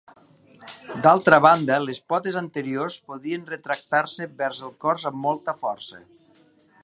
D'altra banda, les potes anteriors podien retractar-se vers el cos amb molta força.